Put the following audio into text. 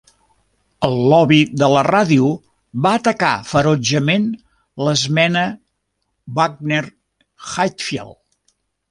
El lobby de la ràdio va atacar ferotgement l'esmena Wagner-Hatfield.